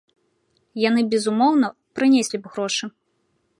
Яны, безумоўна, прынеслі б грошы.